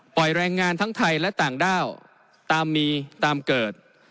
แรงงานทั้งไทยและต่างด้าวตามมีตามเกิด